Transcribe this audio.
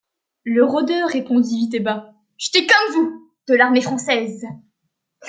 Le rôdeur répondit vite et bas: — J’étais comme vous de l’armée française.